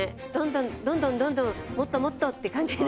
どんどんどんどんもっともっとって感じに。